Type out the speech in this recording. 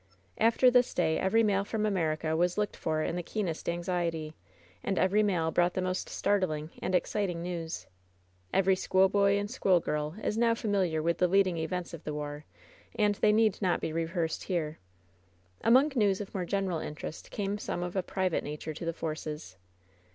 After this day every mail from America was looked for in the keenest anxiety ; and every mail brought the most startling and exciting news. Every schoolboy and schoolgirl is now familiar with the leading events of the war, and they need not be rehearsed here. Among news of more general interest came some of a private nature to the Forces.